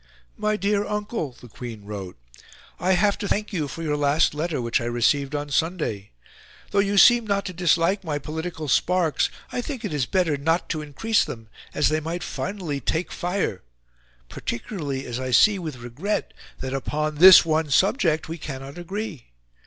"My dear Uncle," the Queen wrote, "I have to thank you for your last letter which I received on Sunday. Though you seem not to dislike my political sparks, I think it is better not to increase them, as they might finally take fire, particularly as I see with regret that upon this one subject we cannot agree.